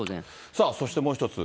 さあそしてもう１つ。